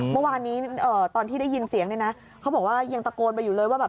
เมื่อวานนี้ตอนที่ได้ยินเสียงเนี่ยนะเขาบอกว่ายังตะโกนไปอยู่เลยว่าแบบ